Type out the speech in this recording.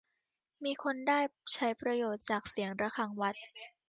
มีคนได้ใช้ประโยชน์จากเสียงระฆังวัด